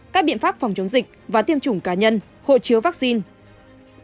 các biện pháp phòng chống dịch và tiêm chủng cá nhân hộ chiếu vaccine